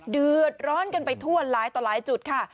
เดือดร้อนกันไปทั่วหลายต่อหลายจุดค่ะ